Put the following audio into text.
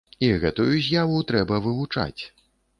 І гэтую з'яву трэба вывучаць.